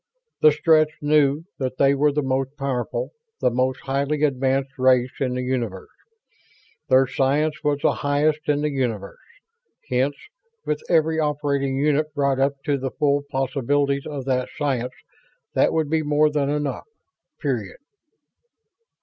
The Stretts knew that they were the most powerful, the most highly advanced race in the universe. Their science was the highest in the universe. Hence, with every operating unit brought up to the full possibilities of that science, that would be more than enough. Period.